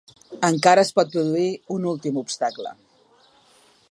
Encara es pot produir un últim obstacle.